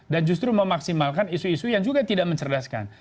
dan justru memaksimalkan isu isu yang juga tidak mencerdaskan